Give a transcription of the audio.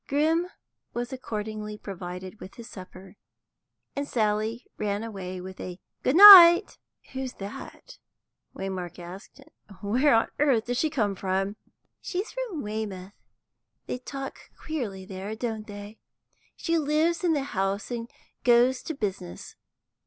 Grim was accordingly provided with his supper, and Sally ran away with a "good night." "Who's that?" Waymark asked. "Where on earth does she come from?" "She's from Weymouth. They talk queerly there, don't they? She lives in the house, and goes to business.